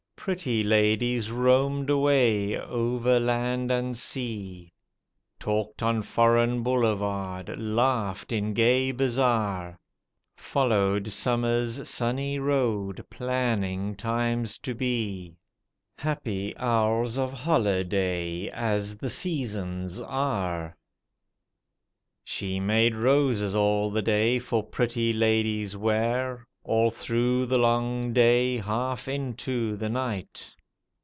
Pretty ladies roamed away over land and sea, Talked on foreign boulevard, laughed in gay bazaar; Followed summer's sunny road planning times to be, Happy hours of holiday, a^ the seasons are. She made roses all the day for pretty ladies' wear, All through the long day, half into the night.